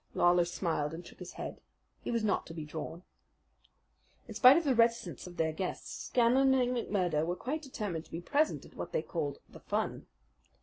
Lawler smiled and shook his head. He was not to be drawn. In spite of the reticence of their guests, Scanlan and McMurdo were quite determined to be present at what they called "the fun."